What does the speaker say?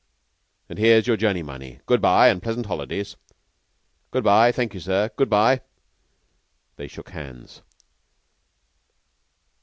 "And here's your journey money. Good by, and pleasant holidays." "Good by. Thank you, sir. Good by." They shook hands.